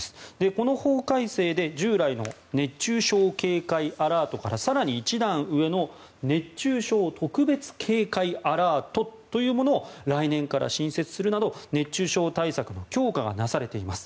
この法改正で従来の熱中症警戒アラートから更に一段上の熱中症特別警戒アラートというものを来年から新設するなど熱中症対策の強化がなされています。